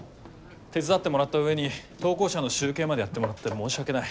手伝ってもらった上に投稿者の集計までやってもらって申し訳ない。